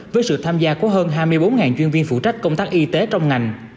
với sự tham gia của hơn hai mươi bốn chuyên viên phụ trách công tác y tế trong ngành